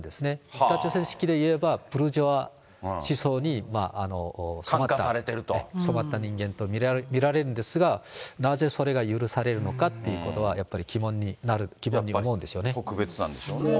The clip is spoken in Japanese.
北朝鮮式でいえば、ブルジョア思想に染まった人間と見られるんですが、なぜそれが許されるのかっていうことはやっぱり疑問に思うんでしなんか特別なんでしょうね。